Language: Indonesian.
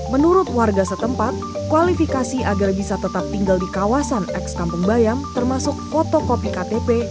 menurut warga setempat kualifikasi agar bisa tetap tinggal di kawasan eks kampung bayam termasuk fotokopi ktp